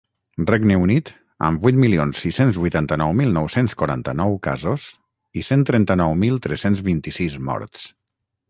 Regne Unit, amb vuit milions sis-cents vuitanta-nou mil nou-cents quaranta-nou casos i cent trenta-nou mil tres-cents vint-i-sis morts.